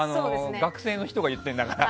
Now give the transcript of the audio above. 学生の人が言ってるんだから。